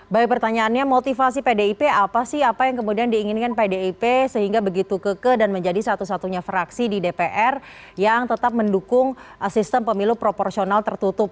baik pertanyaannya motivasi pdip apa sih apa yang kemudian diinginkan pdip sehingga begitu keke dan menjadi satu satunya fraksi di dpr yang tetap mendukung sistem pemilu proporsional tertutup